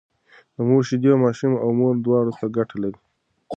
د مور شيدې ماشوم او مور دواړو ته ګټه لري